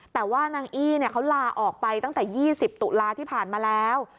แต่ว่านางอี้เขาลาออกไปตั้งแต่๒๐ตุลาที่ผ่านมาแล้ว